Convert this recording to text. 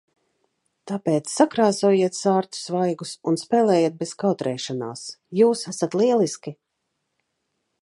Tāpēc sakrāsojiet sārtus vaigus un spēlējiet bez kautrēšanās. Jūs esat lieliski!